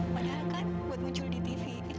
padahal kan buat muncul di tv